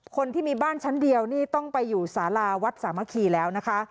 คนที่มีบ้านชั้นเดียวนี่ต้องไปอยู่สาราวัดสามัคคีแล้วนะคะ